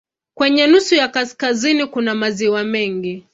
Kwenye nusu ya kaskazini kuna maziwa mengi.